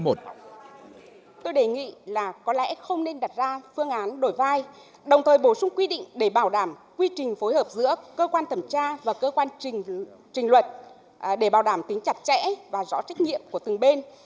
đồng thời bổ sung quy định để bảo đảm quy trình phối hợp giữa cơ quan thẩm tra và cơ quan trình luật để bảo đảm tính chặt chẽ và rõ trách nhiệm của từng bên